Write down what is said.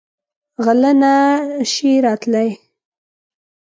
غله نه شي راتلی.